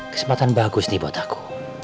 kesempatan bagus nih buat aku